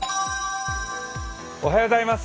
おはようございます。